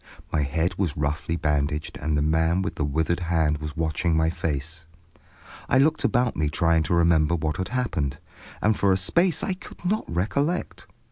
My head was roughly bandaged, and the man with the withered hand was watching my face. I looked about me trying to remember what had happened, and for a space I could not recollect.